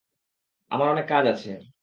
আমার অনেক কাজ আছে।